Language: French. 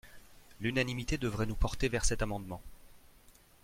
L’unanimité devrait nous porter vers cet amendement